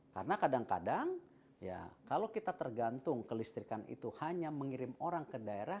karena kadang kadang kalau kita tergantung kelistrikan itu hanya mengirim orang ke daerah